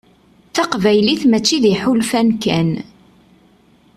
Taqbaylit mačči d iḥulfan kan.